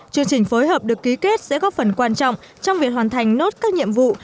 chương trình phối hợp được ký kết sẽ góp phần quan trọng trong việc hoàn thành nốt các nhiệm vụ